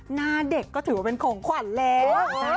หน้าเด็กก็ถือว่าเป็นของขวัญแล้ว